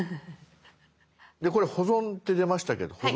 でこれ「保存」って出ましたけど保存。